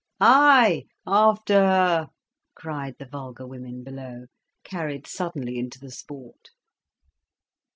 "Ay, after her!" cried the vulgar women below, carried suddenly into the sport.